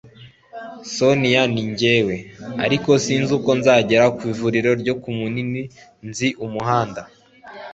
sonia ni njyewe.ariko sinzi uko nzagera ku ivuriro ryo ku munini. nzi umuhanda